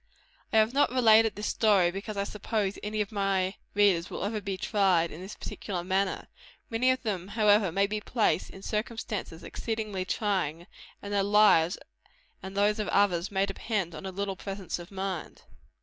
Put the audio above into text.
I have not related this story because I suppose any of my readers will ever be tried in this particular manner. Many of them, however, may be placed in circumstances exceedingly trying; and their lives and those of others may depend on a little presence of mind.